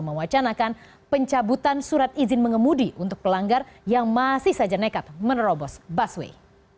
mewacanakan pencabutan surat izin mengemudi untuk pelanggar yang masih saja nekat menerobos busway